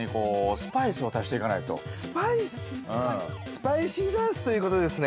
◆スパイシーダンスということですね。